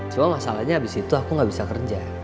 cuma masalahnya abis itu aku nggak bisa kerja